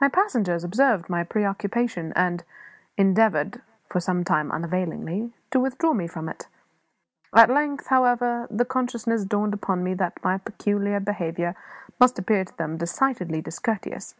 My passengers observed my preoccupation, and endeavoured for some time unavailingly to withdraw me from it; at length, however, the consciousness dawned upon me that my peculiar behaviour must appear to them decidedly discourteous.